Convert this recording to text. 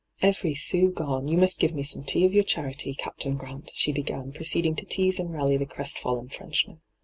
* Every sou gone ; you must give me some tea of your charity, Captain Grant,' she b^an, proceeding to tease and rally the crests &llen Frenchman.